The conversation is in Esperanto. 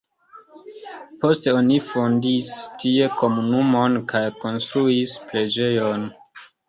Poste oni fondis tie komunumon kaj konstruis preĝejon.